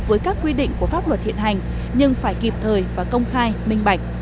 với các quy định của pháp luật hiện hành nhưng phải kịp thời và công khai minh bạch